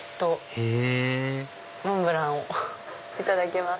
へぇモンブランをいただきます。